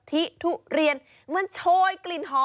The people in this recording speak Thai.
แต่ว่าก่อนอื่นเราต้องปรุงรสให้เสร็จเรียบร้อย